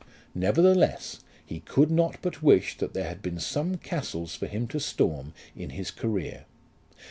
Nevertheless he could not but wish that there had been some castles for him to storm in his career.